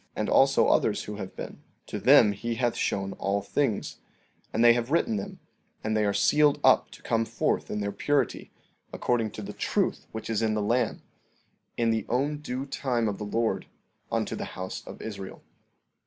14:26 And also others who have been, to them hath he shown all things, and they have written them; and they are sealed up to come forth in their purity, according to the truth which is in the Lamb, in the own due time of the Lord, unto the house of Israel.